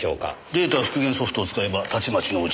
データ復元ソフトを使えばたちまちのうちに。